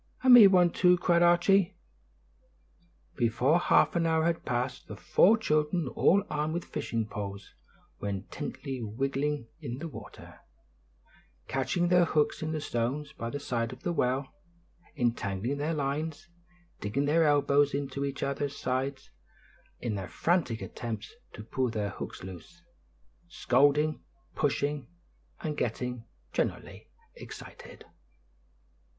"And me one, too," cried Archie. Before half an hour had passed, the four children, all armed with fishing poles, were intently wiggling in the water, catching their hooks in the stones by the side of the well, entangling their lines, digging their elbows into each other's sides, in their frantic attempts to pull their hooks loose; scolding, pushing, and getting generally excited.